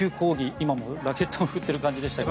今もラケットを振っている感じでしたが。